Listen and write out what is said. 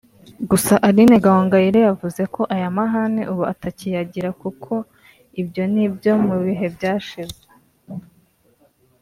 Gusa Aline Gahongayire yavuze ko aya mahane ubu atakiyagira kuko ngo ibyo ni ibyo mu bihe byashize